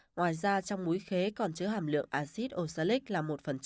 ngoài ra trong múi khế còn chứa hàm lượng acid oxalic là một